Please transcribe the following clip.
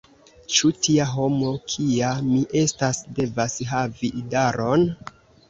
Ĉu tia homo, kia mi estas, devas havi idaron?